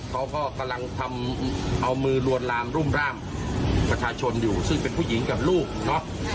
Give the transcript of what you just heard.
เขาก็กำลังทำเอามือลวนลามรุ่มร่ามประชาชนอยู่ซึ่งเป็นผู้หญิงกับลูกเนาะ